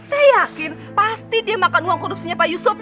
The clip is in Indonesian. saya yakin pasti dia makan uang korupsinya pak yusuf